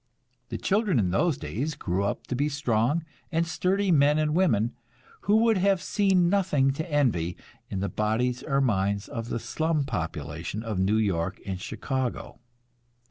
The children in those days grew up to be strong and sturdy men and women, who would have seen nothing to envy in the bodies or minds of the slum population of New York and Chicago.